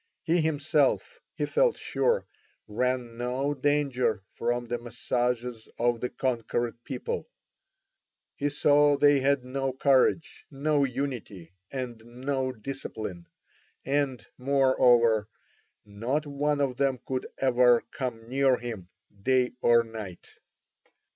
He himself, he felt sure, ran no danger from the massages of the conquered people; he saw they had no courage, no unity, and no discipline, and, moreover, not one of them could ever come near him, day or night.